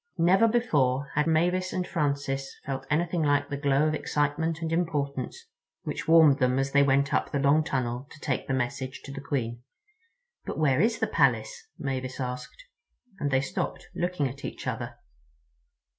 Never before had Mavis and Francis felt anything like the glow of excitement and importance which warmed them as they went up the long tunnel to take the message to the Queen. "But where is the Palace?" Mavis said, and they stopped, looking at each other.